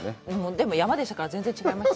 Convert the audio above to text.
でも、山でしたから、全然違いました。